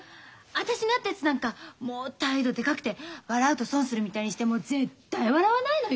私の会ったやつなんかもう態度でかくて笑うと損するみたいにして絶対笑わないのよ。